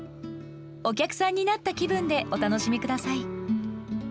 お客さんになった気分でお楽しみください。